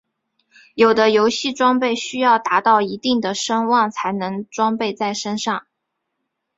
有的游戏装备需要达到一定的声望才能装备在身上。